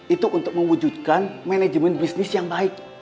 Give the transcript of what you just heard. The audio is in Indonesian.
itu untuk mewujudkan manajemen bisnis yang baik